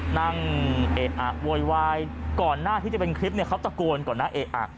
นั่งเอกอักโวยวายก่อนหน้าที่จะเป็นคลิปเขาตะโกนก่อนหน้าเอกอัก